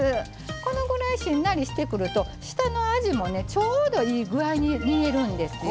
このぐらいしんなりしてくると下のあじもねちょうどいい具合に煮えるんですよ。